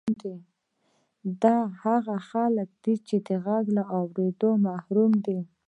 دا هغه خلک دي چې د غږ له اورېدو محروم دي